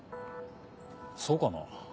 そうかな？